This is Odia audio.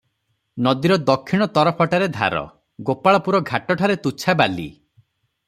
ନଦୀର ଦକ୍ଷିଣ ତରଫଟାରେ ଧାର, ଗୋପାଳପୁର ଘାଟ ଠାରେ ତୁଚ୍ଛା ବାଲି ।